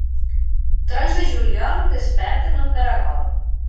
Trons de juliol desperten el caragol.